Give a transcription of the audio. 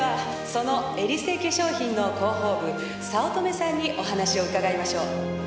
そのエリセ化粧品の広報部早乙女さんにお話を伺いましょう。